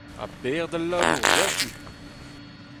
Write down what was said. Ha bec'h d'al labour diouzhtu !